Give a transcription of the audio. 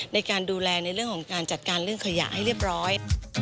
ในการดูแลในเรื่องของการจัดการเรื่องขยะให้เรียบร้อย